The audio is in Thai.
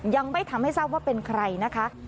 ยังไม่ทำให้ทราบว่าเป็นใครนะคะ